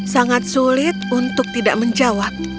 sangat sulit untuk tidak menjawab